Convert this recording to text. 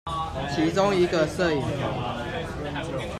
其中一個攝影棚